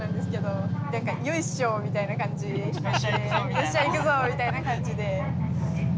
よっしゃ行くぞーみたいな感じで。